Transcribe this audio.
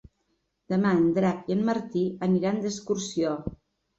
Demà en Drac i en Martí aniran d'excursió.